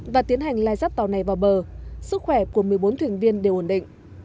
và tiến hành lai dắt tàu này vào bờ sức khỏe của một mươi bốn thuyền viên đều ổn định